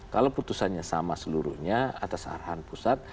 kalau putusannya sama seluruhnya atas arahan pusat